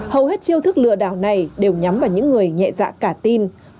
hầu hết chiêu thức lừa đảo này đều nhắm vào những người nhẹ dạ cả tin